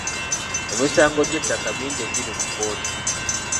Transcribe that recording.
Emisango gy'ettaka mingi egiri mu kkooti.